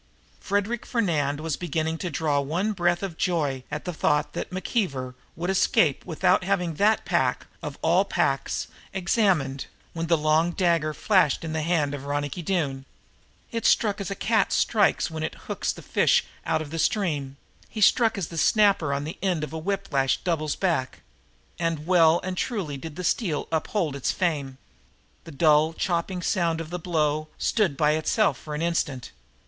Frederic Fernand was beginning to draw one breath of joy at the thought that McKeever would escape without having that pack, of all packs, examined, when the long dagger flashed in the hand of Ronicky Doone. He struck as a cat strikes when it hooks the fish out of the stream he struck as the snapper on the end of a whiplash doubles back. And well and truly did that steel uphold its fame. The dull, chopping sound of the blow stood by itself for an instant.